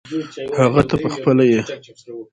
هغه ته پخپله یې .